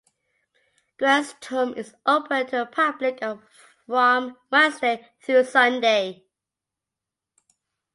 Grant's Tomb is open to the public from Wednesday through Sunday.